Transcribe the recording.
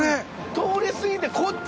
通り過ぎてこっち！